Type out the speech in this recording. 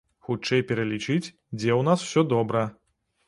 Хутчэй пералічыць, дзе ў нас усё добра.